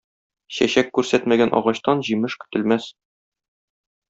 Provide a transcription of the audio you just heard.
Чәчәк күрсәтмәгән агачтан җимеш көтелмәс.